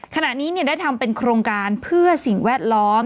ขณะนี้ได้ทำเป็นโครงการเพื่อสิ่งแวดล้อม